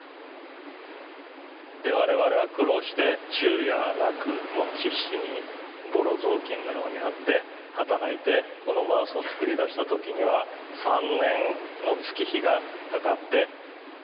我々は苦労して昼夜なく必死にボロ雑巾のようになって働いてこのマウスを作り出した時には３年の月日がかかって。